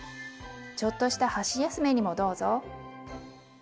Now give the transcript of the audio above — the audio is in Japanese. ちょっとした箸休めにもどうぞ。